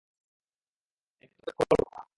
এখানে ঘনত্ব বেশ পলকা।